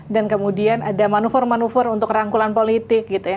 dan kemudian ada manuver manuver untuk rangkulan politik gitu ya